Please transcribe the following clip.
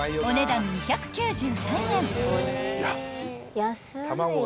［お値段２９３円］